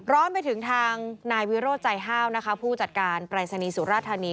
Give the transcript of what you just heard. ร้อนไปถึงทางนายวิโร่ใจฮาวผู้จัดการปรายศนีย์สุรราธานี